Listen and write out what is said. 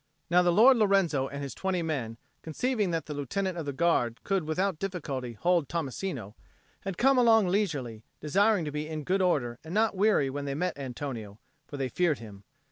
Now the Lord Lorenzo and his twenty men, conceiving that the Lieutenant of the Guard could without difficulty hold Tommasino, had come along leisurely, desiring to be in good order and not weary when they met Antonio; for they feared him.